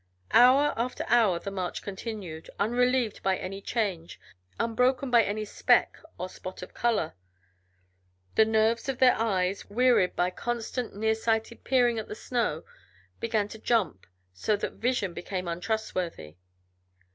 Hour after hour the march continued, unrelieved by any change, unbroken by any speck or spot of color. The nerves of their eyes, wearied by constant nearsighted peering at the snow, began to jump so that vision became untrustworthy.